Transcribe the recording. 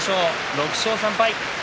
６勝３敗。